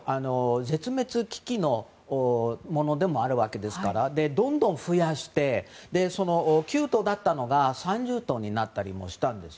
絶滅危機のものでもあるわけですからどんどん増やして９頭だったのが３０頭になったりしたんです。